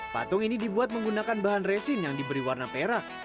patung ini dibuat menggunakan bahan resin yang diberi warna perak